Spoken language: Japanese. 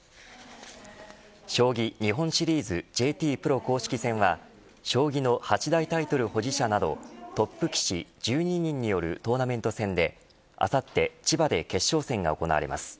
将棋日本シリーズＪＴプロ公式戦は将棋の八大タイトル保持者などトップ棋士１２人によるトーナメント戦であさって千葉で決勝戦が行われます。